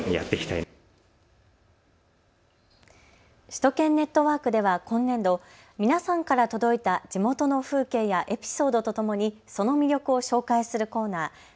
首都圏ネットワークでは今年度、皆さんから届いた地元の風景やエピソードとともにその魅力を紹介するコーナー、＃